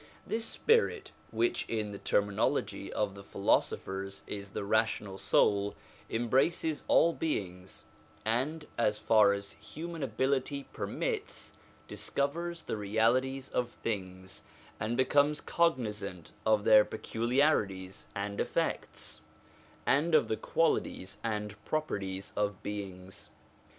This spirit, which in the terminology of the philosophers is the rational soul, embraces all beings, 243 244 SOME ANSWERED QUESTIONS and as far as human ability permits discovers the realities of things and becomes cognisant of their peculiarities and effects, and of the qualities and properties of beings.